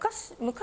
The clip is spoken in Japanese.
昔！？